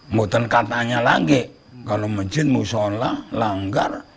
mungkin katanya lagi kalau masjid mau sholat langgar